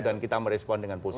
dan kita merespon dengan positif